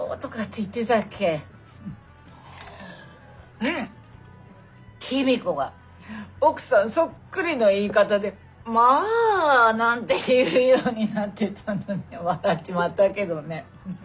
うん公子が奥さんそっくりの言い方で「まああ」なんて言うようになってたのには笑っちまったけどね。